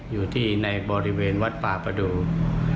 อยู่ที่ในบริเวณวัดป่าประดูก